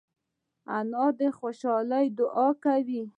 انا د خوشحالۍ دعا کوي